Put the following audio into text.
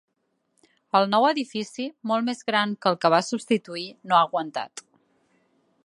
El nou edifici, molt més gran que el que va substituir, no ha aguantat.